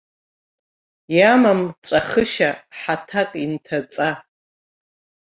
Иамам ҵәахышьа ҳаҭак инҭаҵа.